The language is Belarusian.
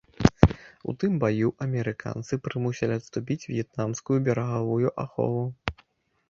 У тым баю амерыканцы прымусілі адступіць в'етнамскую берагавую ахову.